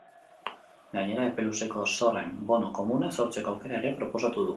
Gainera, epe luzeko zorren bono komunak sortzeko aukera ere proposatu du.